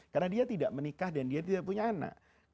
karena dia tidak menikah dan dia tidak punya anak